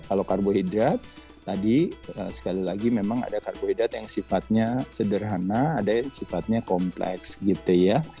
kalau karbohidrat tadi sekali lagi memang ada karbohidrat yang sifatnya sederhana ada yang sifatnya kompleks gitu ya